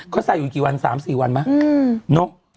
เขาใส่อยู่กี่วัน๓๔วันไหมนก